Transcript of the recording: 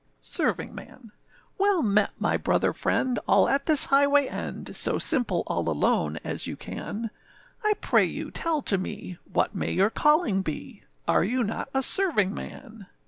] SERVINGMAN. WELL met, my brother friend, all at this highway end, So simple all alone, as you can, I pray you tell to me, what may your calling be, Are you not a servingman?